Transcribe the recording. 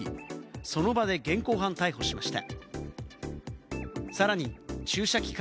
その場で現行犯逮捕しました。